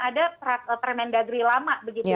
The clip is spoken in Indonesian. ada termendagri lama